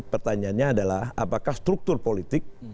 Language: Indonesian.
pertanyaannya adalah apakah struktur politik